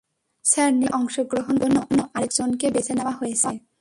Sir, নির্বাচনে অংশগ্রহণ করার জন্য আরেকজনকে বেছে নেওয়া হয়েছে।